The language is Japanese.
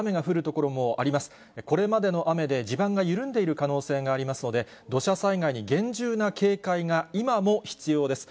これまでの雨で地盤が緩んでいる可能性がありますので、土砂災害に厳重な警戒が今も必要です。